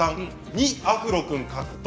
２アフロ君獲得。